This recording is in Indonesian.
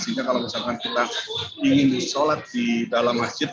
sehingga kalau misalkan kita ingin sholat di dalam masjid